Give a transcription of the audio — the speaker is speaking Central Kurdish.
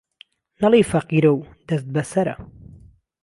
نهڵێی فهقيره و دهست به سەره